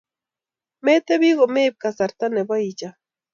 metebi komeib kasarta nebo icham